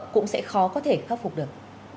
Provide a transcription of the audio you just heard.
cũng sẽ khó có thể khắc phục được